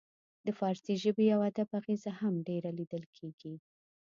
د فارسي ژبې او ادب اغیزه هم ډیره لیدل کیږي